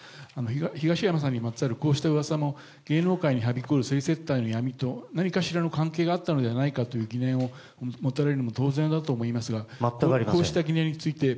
東山さんにまつわるこうしたうわさも芸能界にはびこる性接待の闇と、何かしらの関係があったのではないかという疑念を持たれるのも当然だと思いますが、全くありません。